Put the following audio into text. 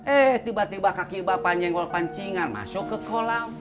eh tiba tiba kaki bapaknya ngelapancingan masuk ke kolam